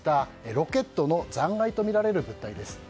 ロケットの残骸とみられる物体です。